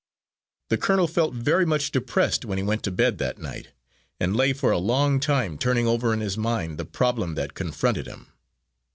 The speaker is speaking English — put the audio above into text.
The colonel felt very much depressed when he went to bed that night, and lay for a long time turning over in his mind the problem that confronted him.